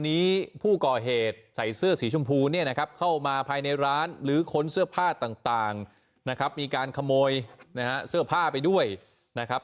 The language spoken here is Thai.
ผู้ก่อเหตุใส่เสื้อสีชมพูเนี่ยนะครับเข้ามาภายในร้านหรือค้นเสื้อผ้าต่างนะครับมีการขโมยนะฮะเสื้อผ้าไปด้วยนะครับ